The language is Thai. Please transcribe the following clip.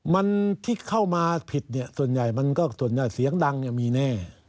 มันที่เข้ามาผิดส่วนใหญ่มันก็เสียงดังมีแน่